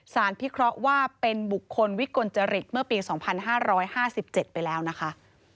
พิเคราะห์ว่าเป็นบุคคลวิกลจริตเมื่อปี๒๕๕๗ไปแล้วนะคะ